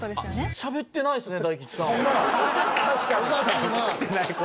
しゃべってない事ない。